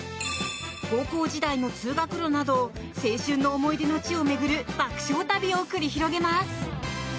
高校時代の通学路など青春の思い出の地を巡る爆笑旅を繰り広げます。